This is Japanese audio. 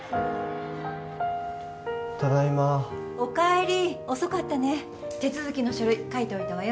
ただいまーおかえり遅かったね手続きの書類書いておいたわよ